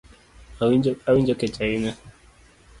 Awinjo kech ahinya